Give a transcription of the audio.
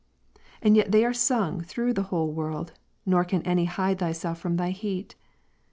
And yet they are sung through the Avhole world, nor can any hide Ps. 19, 6. himself from Thy heat.